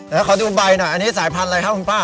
แล้วขอดูใบหน่อยอันนี้สายพันธุ์อะไรครับคุณป้า